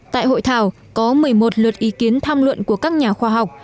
tại hội thảo có một mươi một luật ý kiến tham luận của các nhà khoa học